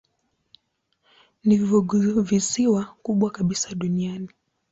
Ni funguvisiwa kubwa kabisa duniani.